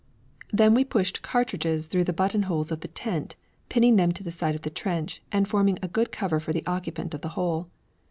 Then we pushed cartridges through the buttonholes of the tent, pinning them into the side of the trench, and forming a good cover for the occupant of the hole.